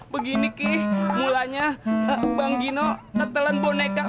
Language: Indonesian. begini ki mulanya bang gino ngetelan boneka